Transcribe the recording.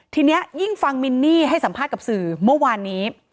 ทีนี้ยิ่งฟังมินนี่ให้สัมภาษณ์กับสื่อเมื่อวานนี้